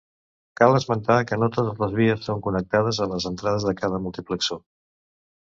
Cal esmentar que no totes les vies són connectades a les entrades de cada multiplexor.